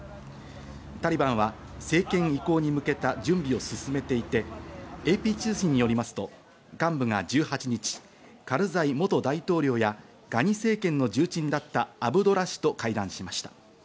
タリバンは政権移行に向けた準備を進めていて、ＡＰ通信によりますと幹部が１８日、カルザイ元大統領や、ガニ政権の重鎮だったアブドラ氏と会談しました。